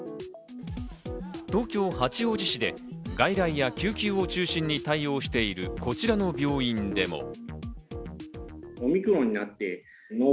東京・八王子市で外来や救急を中心に対応しているこちらの病院でも。